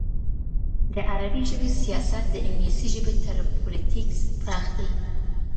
د عربي ژبې سیاست د انګلیسي ژبې تر پولیټیکس پراخ دی.